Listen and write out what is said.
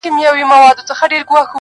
چي نوبت د عزت راغی په ژړا سو!.